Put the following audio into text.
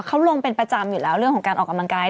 เขาลงเป็นประจำอยู่แล้วเรื่องของการออกกำลังกาย